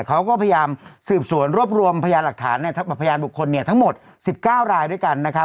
เขาก็พยายามสืบสวนรวบรวมพยานหลักฐานพยานบุคคลทั้งหมด๑๙รายด้วยกันนะครับ